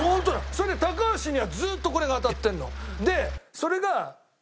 それで高橋にはずっとこれが当たってるの。